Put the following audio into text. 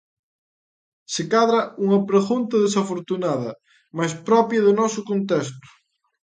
Se cadra unha pregunta desafortunada, mais propia do noso contexto.